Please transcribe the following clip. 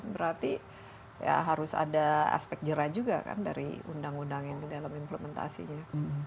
berarti ya harus ada aspek jera juga kan dari undang undang ini dalam implementasinya